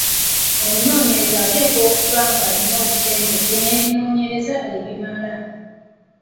Omunoonyereza ateekwa okuba ng’alina obutendeke n’ebikozesebwa ebimala.